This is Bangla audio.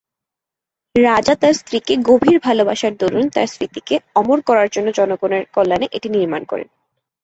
রাজা তার স্ত্রীকে গভীর ভালবাসার দরুন তার স্মৃতিকে অমর করার জন্য জনগণের কল্যাণে এটি নির্মাণ করেন।